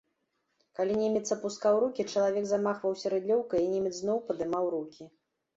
Калі немец апускаў рукі, чалавек замахваўся рыдлёўкай і немец зноў паднімаў рукі.